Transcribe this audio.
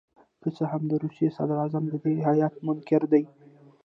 که څه هم د روسیې صدراعظم د دې هیات منکر دي.